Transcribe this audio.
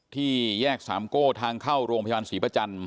ที่แยกสามโก้ทางเข้าโรงพยาบาลศรีประจันทร์